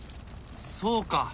そうか。